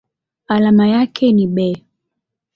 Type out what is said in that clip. Alama yake ni Be.